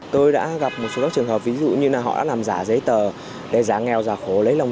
tôi đã gặp một số các trường hợp ví dụ như là họ đã làm giả giấy tờ để giả nghèo giả khổ lấy lòng